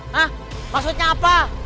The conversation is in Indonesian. hah maksudnya apa